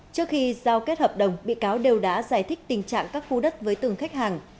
trước khi giao kết hợp đồng bị cáo đều đã giải thích tình trạng các khu đất với từng khách hàng